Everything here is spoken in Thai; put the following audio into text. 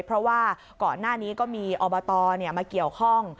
เพราะว่าก่อนหน้านี้ก็มีอบตมาเกี่ยวข้อง